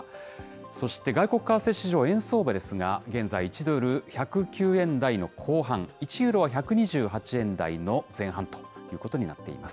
そして外国為替市場円相場ですが、現在、１ドル１０９円台の後半、１ユーロは１２８円台の前半ということになっています。